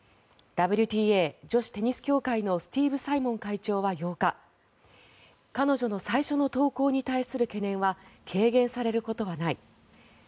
ＷＴＡ・女子テニス協会のスティーブ・サイモン会長は８日彼女の最初の投稿に対する懸念は軽減されることはない。